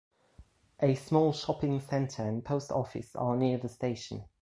A small shopping centre and post office are near the station.